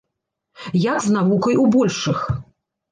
Як з навукай у большых.